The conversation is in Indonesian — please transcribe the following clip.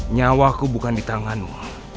nyawaku bukan di tanganmu